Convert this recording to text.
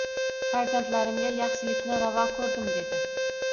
Farzandlarimga yaxshilikni ravo koʻrdim dedi...